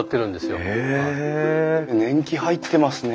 年季入ってますね。